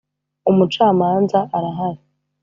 Umucamanza arahari.